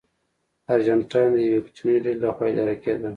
ارجنټاین د یوې کوچنۍ ډلې لخوا اداره کېده.